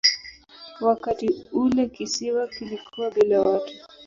Wakati ule kisiwa kilikuwa bila watu.